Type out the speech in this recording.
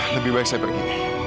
lebih baik saya pergi